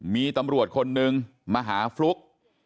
มีตำรวจคนนึงมาหาฟลุ๊ก